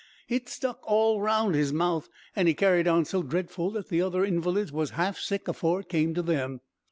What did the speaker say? It stuck all round his mouth, and he carried on so dredful that the other invalids was half sick afore it came to them.